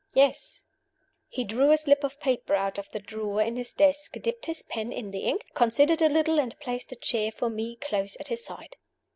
"Yes." He drew a slip of paper out of the drawer in his desk, dipped his pen in the ink, considered a little, and placed a chair for me close at his side.